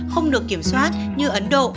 không được kiểm soát như ấn độ